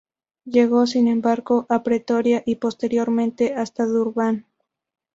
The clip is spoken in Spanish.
Llegó, sin embargo, a Pretoria, y, posteriormente, hasta Durban.